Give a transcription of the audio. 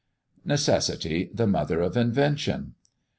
_ NECESSITY THE MOTHER OF INVENTION.